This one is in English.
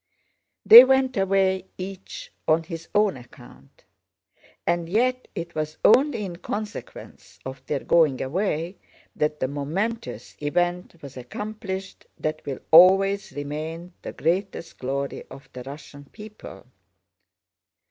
They went away each on his own account, and yet it was only in consequence of their going away that the momentous event was accomplished that will always remain the greatest glory of the Russian people.